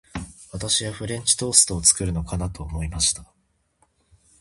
私はフレンチトーストを作るのかなと思いました。